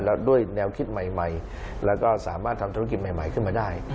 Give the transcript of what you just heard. แล้วด้วยแนวคิดใหม่แล้วก็สามารถทำธุรกิจใหม่ขึ้นมาได้